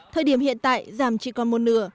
thời điểm hiện tại giảm chỉ còn một nửa